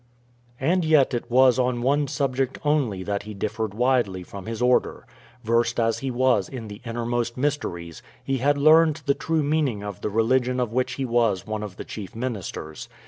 And yet it was on one subject only that he differed widely from his order. Versed as he was in the innermost mysteries, he had learned the true meaning of the religion of which he was one of the chief ministers.